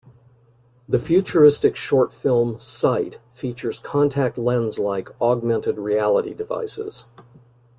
The futuristic short film "Sight" features contact lens-like augmented reality devices.